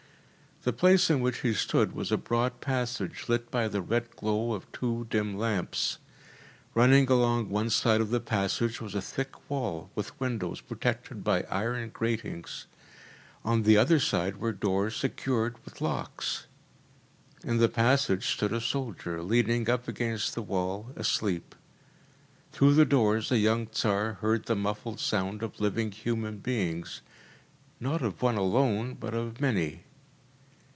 The place in which he stood was a broad passage lit by the red glow of two dim lamps. Running along one side of the passage was a thick wall with windows protected by iron gratings. On the other side were doors secured with locks. In the passage stood a soldier, leaning up against the wall, asleep. Through the doors the young Tsar heard the muffled sound of living human beings: not of one alone, but of many.